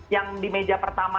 yang di meja pertama